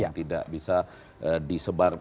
yang tidak bisa disebar